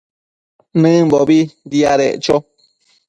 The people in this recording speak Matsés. nëmbo diadeccho